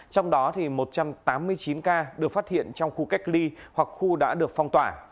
trong đó một trăm tám mươi chín ca được phát hiện trong khu cách ly hoặc khu đã được phong tỏa